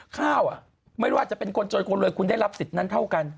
ข้าวไม่ว่าจะเป็นคนจนคนรวยคุณได้รับสิทธิ์นั้นเท่ากัน